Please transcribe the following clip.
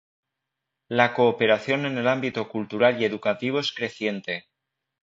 La cooperación en el ámbito cultural y educativo es creciente.